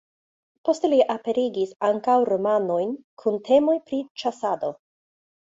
Poste li aperigis ankaŭ romanojn kun temoj pri ĉasado.